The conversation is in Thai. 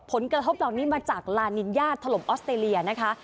ผลกระทบเหล่านี้มาจากลานิญญาถล่มออสเตรเลียนะคะ